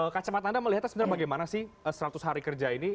kacamata anda melihatnya sebenarnya bagaimana sih seratus hari kerja ini